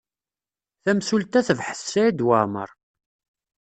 Tamsulta tebḥet Saɛid Waɛmaṛ.